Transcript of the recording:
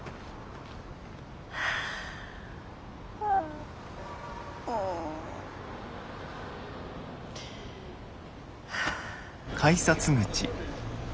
はあうん！はあ。